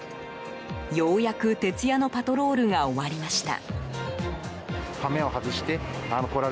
ようやく、徹夜のパトロールが終わりました。